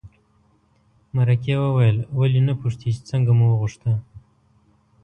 مرکې وویل ولې نه پوښتې چې څنګه مو وغوښته.